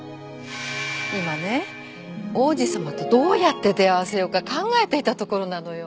今ね王子様とどうやって出会わせようか考えていたところなのよ。